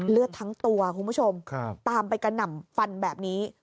เลือดทั้งตัวคุณผู้ชมตามไปกระหน่ำฟันแบบนี้